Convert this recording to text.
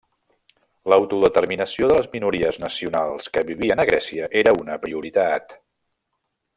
L'autodeterminació de les minories nacionals que vivien a Grècia era una prioritat.